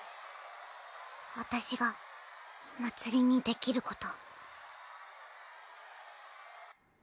私がまつりにできること。